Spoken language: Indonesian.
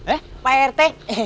eh pak rt